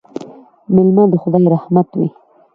مېلمه د خدای رحمت وي